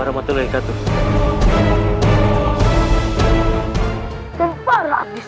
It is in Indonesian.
tempah abis jadi